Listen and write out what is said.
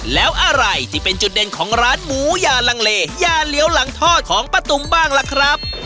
แล้วอะไรที่เป็นจุดเด่นของร้านหมูยาลังเลยาเหลียวหลังทอดของป้าตุ๋มบ้างล่ะครับ